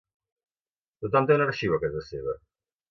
Tothom té un arxiu a casa seva.